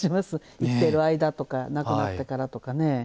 生きてる間とか亡くなってからとかね。